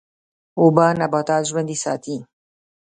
اوبه نباتات ژوندی ساتي.